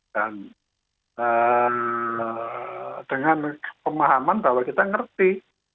dan dengan pemahaman bahwa kita ngerti